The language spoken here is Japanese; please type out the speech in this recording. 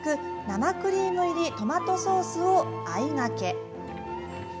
生クリーム入りトマトソースを相がけ。